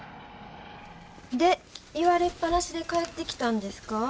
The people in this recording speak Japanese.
で言われっぱなしで帰ってきたんですか。